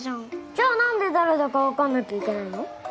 じゃあなんで誰だかわかんなきゃいけないの？